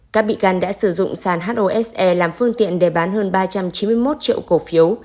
các bị can đã sử dụng sàn hose làm phương tiện để bán hơn ba trăm chín mươi một triệu cổ phiếu